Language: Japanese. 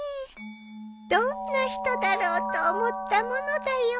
どんな人だろうと思ったものだよ。